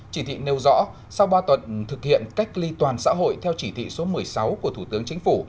chỉ thị nêu rõ sau ba tuần thực hiện cách ly toàn xã hội theo chỉ thị số một mươi sáu của thủ tướng chính phủ